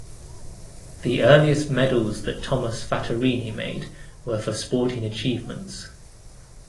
The earliest medals that Thomas Fattorini made were for sporting achievements.